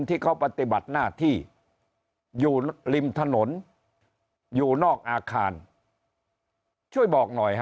ที่เขาปฏิบัติหน้าที่อยู่ริมถนนอยู่นอกอาคารช่วยบอกหน่อยฮะ